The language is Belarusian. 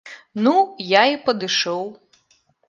Ну, я і падышоў.